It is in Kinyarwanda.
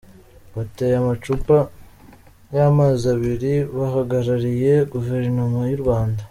Bateye amacupa y’amazi abari bahagarariye guverinoma y’u Rwanda.